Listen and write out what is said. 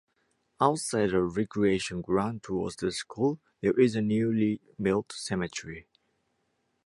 Outside the Recreation Ground towards the school there is a newly built cemetery.